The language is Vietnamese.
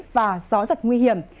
và gió giật nguy hiểm